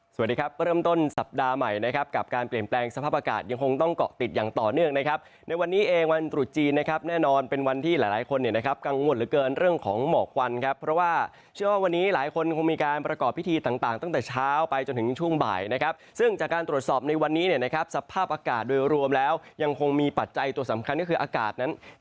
สวัสดีครับเริ่มต้นสัปดาห์ใหม่นะครับกับการเปลี่ยนแปลงสภาพอากาศ